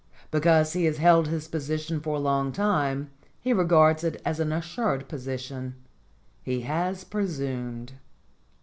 Because he has held his position for a long time he regards it as an assured position ; he has presumed.